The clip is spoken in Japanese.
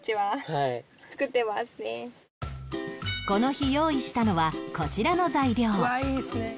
この日用意したのはこちらの材料